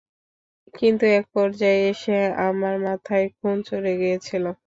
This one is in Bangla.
কিন্তু এক পর্যায়ে এসে আমার মাথায় খুন চড়ে গিয়েছিল।